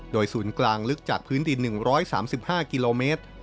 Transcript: โดยศูนย์กลางลึกจากพื้นดิน๑๓๕กิโลเมตร